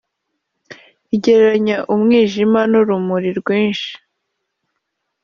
igereranya umwijima n’urumuri rwinshi